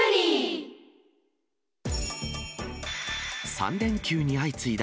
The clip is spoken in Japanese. ３連休に相次いだ